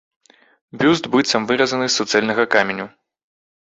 Бюст быццам выразаны з суцэльнага каменю.